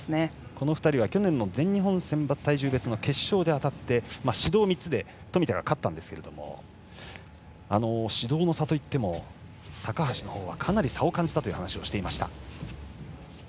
この２人は去年の全日本選抜体重別で当たって指導３つで冨田が勝ったんですが指導の差といっても高橋のほうはかなり差を感じたと話していました。